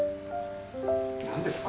何ですか？